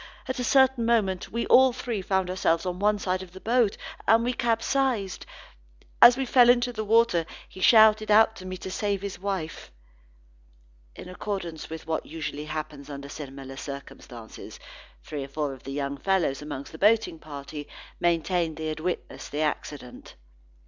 At a certain moment we all three found ourselves on one side of the boat, and we capsized. As we fell into the water, he shouted out to me to save his wife." In accordance with what usually happens under similar circumstances, three or four young fellows among the boating party, maintained that they had witnessed the accident.